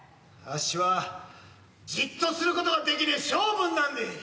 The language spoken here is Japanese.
あっしはじっとすることができねぇ性分なんで。